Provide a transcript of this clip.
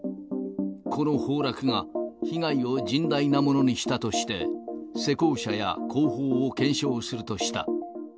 この崩落が、被害を甚大なものにしたとして、施工者や工法を検証するとした。